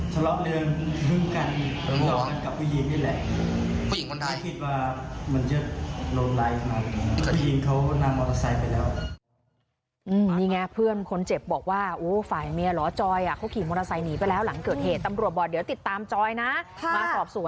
ทะเลาะพ่าอยู่ที่ร้านเราแล้วทะเลาะที่นี่พอคิดว่ามันเนียบกันแล้ว